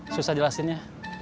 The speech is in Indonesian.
susah jelasin ya